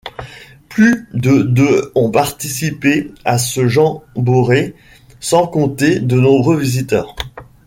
Plus de de ont participé à ce jamboree, sans compter de nombreux visiteurs.